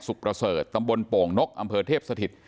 สุประเสริฐตำบลโป่งนกอเทพสถิตย์